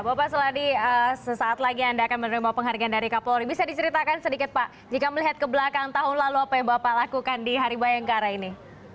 bapak seladi sesaat lagi anda akan menerima penghargaan dari kapolri bisa diceritakan sedikit pak jika melihat ke belakang tahun lalu apa yang bapak lakukan di hari bayangkara ini